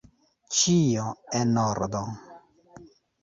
Ĉio en ordo!